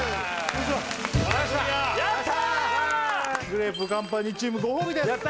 グレープカンパニーチームご褒美です！